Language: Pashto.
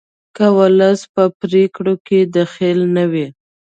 که ولس په پریکړو کې دخیل نه وي